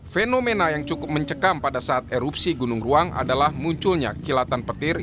fenomena yang cukup mencekam pada saat erupsi gunung ruang adalah munculnya kilatan petir